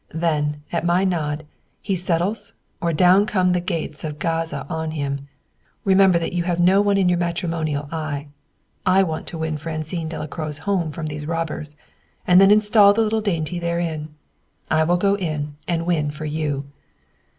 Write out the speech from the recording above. Then, at my nod, he settles or down come the gates of Gaza on him! Remember that you have no one in your matrimonial eye. I want to win Francine Delacroix's home from these robbers. And then install the little dainty therein. I will go in and win for you!"